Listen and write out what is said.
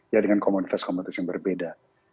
ya dengan komunitas komunitas yang berbeda